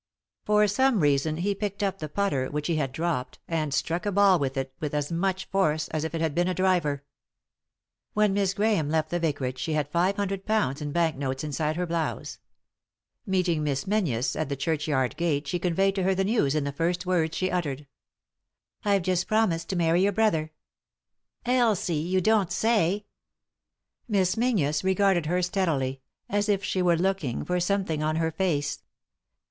For some reason he picked up the putter which he had dropped and struck a ball with it with as much force as if it bad been a driver. When Miss Grahame left the vicarage she had five hundred pounds in bank notes inside her blouse. Meeting Miss Menzies at the churchyard gate she conveyed to her the news in the first words she uttered* " I've just promised to marry your brother." " Elsie I — you don't say I " Miss Menzies regarded her steadily ; as if she were looking for something on her face.